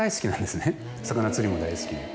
魚釣りも大好き。